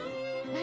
何？